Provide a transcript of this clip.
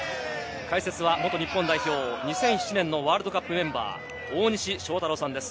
解説は元日本代表、２００７年のワールドカップメンバー・大西将太郎さんです。